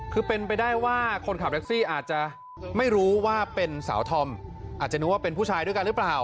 คือเป็นไปได้ว่าคนขับแท็กซี่อาจจะไม่รู้ว่าเป็นสาวธอมอาจจะนึกว่าเป็นผู้ชายด้วยกันหรือเปล่า